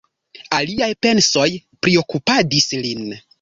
Aliaj pensoj priokupadis lin.